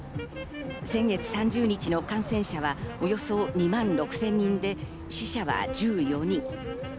先月３０日の感染者は、およそ２万６０００人で死者は１４人。